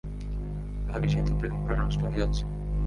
ভাবি, সে তো প্রেমে নষ্ট করে হয়ে যাচ্ছে!